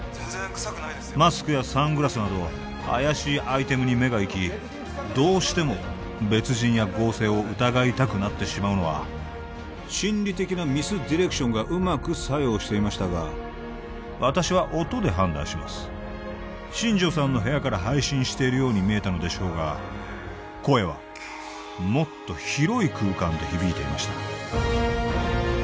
マスクやサングラスなど怪しいアイテムに目が行きどうしても別人や合成を疑いたくなってしまうのは心理的なミスディレクションがうまく作用していましたが私は音で判断します新城さんの部屋から配信しているように見えたのでしょうが声はもっと広い空間で響いていました